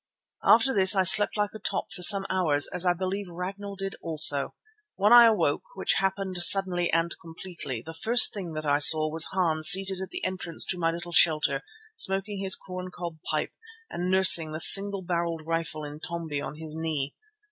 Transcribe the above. After this I slept like a top for some hours, as I believe Ragnall did also. When I awoke, which happened suddenly and completely, the first thing that I saw was Hans seated at the entrance to my little shelter smoking his corn cob pipe, and nursing the single barrelled rifle, Intombi, on his knee.